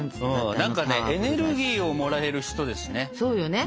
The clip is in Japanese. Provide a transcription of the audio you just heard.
何かねエネルギーをもらえる人ですね。